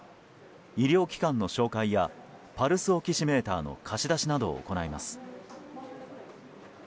医療機関の紹介やパルスオキシメーターの貸し出しなどを行います。